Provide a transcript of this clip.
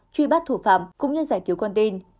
truy bắt thủ phạm cũng như giải cứu con tin